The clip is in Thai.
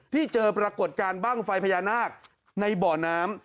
เจอปรากฏการณ์บ้างไฟพญานาคในบ่อน้ำ